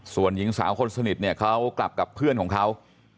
ส่วนหญิงสาวคนสนิทเนี่ยเขากลับกับเพื่อนของเขา